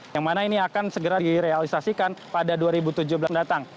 yang mana ini akan segera direalisasikan pada dua ribu tujuh belas datang